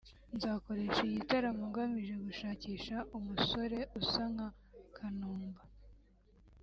nzakoresha igitaramo ngamije gushakisha umusore usa nka Kanumba”